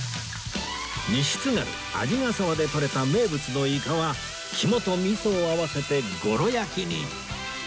西津軽鰺ヶ沢でとれた名物のイカは肝と味噌を合わせてゴロ焼きに